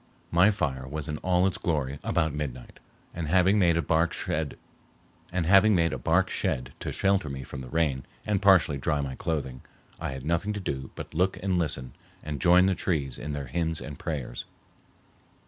My fire was in all its glory about midnight, and, having made a bark shed to shelter me from the rain and partially dry my clothing, I had nothing to do but look and listen and join the trees in their hymns and prayers.